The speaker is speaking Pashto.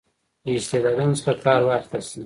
له استعدادونو څخه کار واخیستل شي.